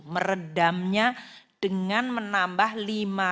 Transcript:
meredamnya dengan menambah lima ratus triliun